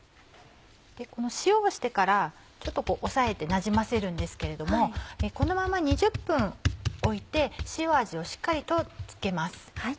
この塩をしてからちょっと押さえてなじませるんですけれどもこのまま２０分置いて塩味をしっかりとつけます。